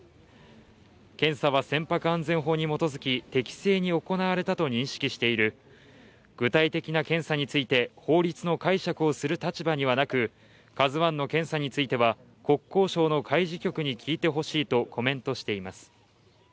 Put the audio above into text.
検査は船舶安全法に基づき適正に行われたと認識している、具体的な検査について法律の解釈をする立場になく「ＫＡＺＵⅠ」の検査については国交省の海事局に聞いてほしいとコメントしています。